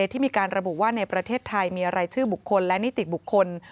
ที่มีการระบุว่าในประเทศไทยมีรายชื่อบุคคลและนิติบุคคล